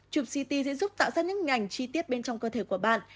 chụp ct sẽ giúp tạo ra những ngành chi tiết bên trong cơ thể của bạn